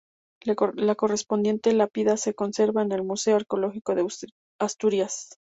La correspondiente lápida se conserva en el Museo Arqueológico de Asturias.